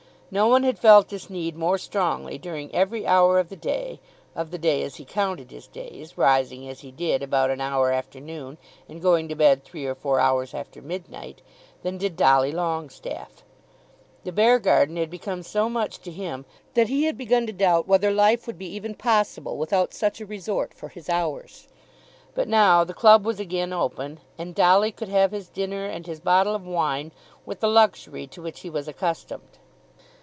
No one had felt this need more strongly during every hour of the day, of the day as he counted his days, rising as he did about an hour after noon and going to bed three or four hours after midnight, than did Dolly Longestaffe. The Beargarden had become so much to him that he had begun to doubt whether life would be even possible without such a resort for his hours. But now the club was again open, and Dolly could have his dinner and his bottle of wine with the luxury to which he was accustomed.